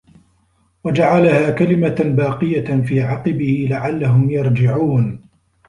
وَجَعَلَها كَلِمَةً باقِيَةً في عَقِبِهِ لَعَلَّهُم يَرجِعونَ